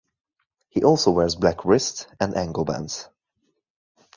He also wears black wrist and ankle bands.